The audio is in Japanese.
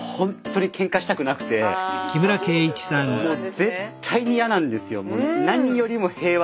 もう絶対に嫌なんですよ。